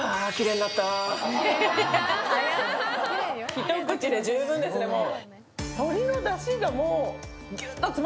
一口で十分ですね、もう。